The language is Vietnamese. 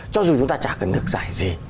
cho dù chúng ta chả cần được giải gì